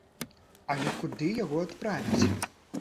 Але куды яго адправяць?